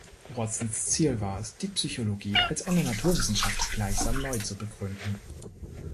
Watsons Ziel war es, die Psychologie als eine Naturwissenschaft gleichsam neu zu begründen.